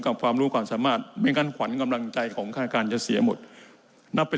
ความรู้ความสามารถไม่งั้นขวัญกำลังใจของค่าการจะเสียหมดนับเป็น